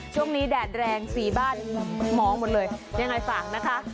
แดดแรงสีบ้านมองหมดเลยยังไงฝากนะคะ